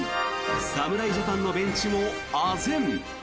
侍ジャパンのベンチもあぜん。